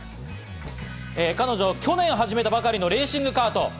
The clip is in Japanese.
彼女、去年始めたばかりのレーシングカート。